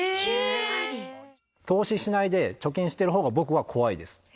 投資しないで貯金してるほうが僕は怖いです。